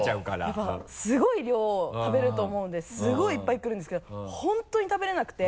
やっぱりすごい量食べると思うんですごいいっぱい来るんですけど本当に食べれなくて。